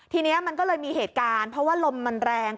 ทีนี้มันก็เลยมีเหตุการณ์เพราะว่าลมมันแรง